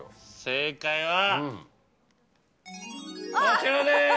正解はこちらです。